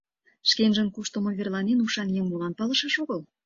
Шкенжын кушто мо верланен, ушан еҥ молан палышаш огыл?